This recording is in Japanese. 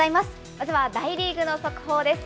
まずは大リーグの速報です。